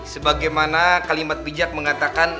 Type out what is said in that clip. sebagaimana kalimat bijak mengatakan